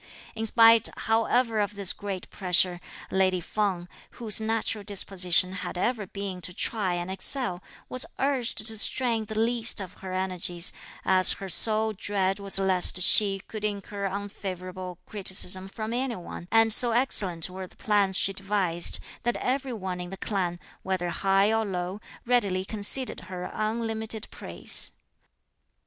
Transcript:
In spite however of this great pressure, lady Feng, whose natural disposition had ever been to try and excel, was urged to strain the least of her energies, as her sole dread was lest she should incur unfavourable criticism from any one; and so excellent were the plans she devised, that every one in the clan, whether high or low, readily conceded her unlimited praise.